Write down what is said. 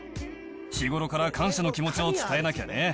日頃から感謝の気持ちを伝えなきゃね。